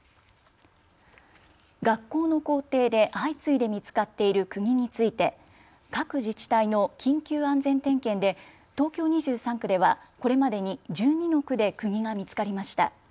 学校の校庭で相次いで見つかっているくぎについて各自治体の緊急安全点検で東京２３区ではこれまでに１２の区でくぎが見つかりました。